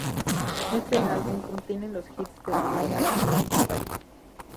Este álbum contiene los hits de la banda "Fly" y "Paris".